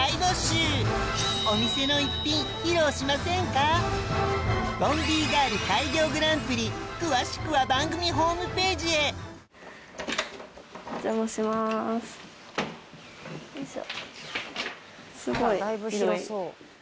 そんな『ボンビーガール』開業グランプリ詳しくは番組ホームページへよいしょ。